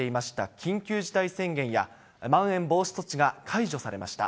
緊急事態宣言や、まん延防止措置が解除されました。